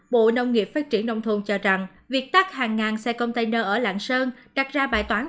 bộ nông nghiệp phát triển nông thôn cho rằng việc tắt hàng ngàn xe container ở lạng sơn đặt ra bài toán